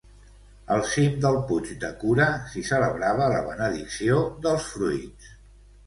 Al cim del puig de Cura s'hi celebrava la benedicció dels fruits.